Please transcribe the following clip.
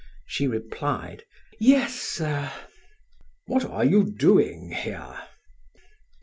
She replied: "Yes, sir." "What are you doing here?"